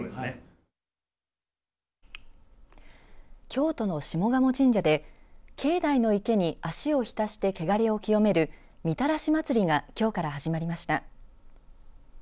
京都の下鴨神社で境内の池に足を浸して汚れを清めるみたらし祭がきょうから始まりました。